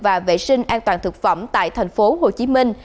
và vệ sinh an toàn thực phẩm tại thành phố hồ chí minh